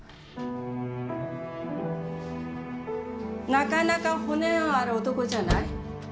なかなか骨のある男じゃない。